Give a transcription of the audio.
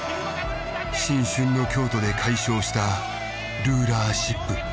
新春の京都で快勝したルーラーシップ。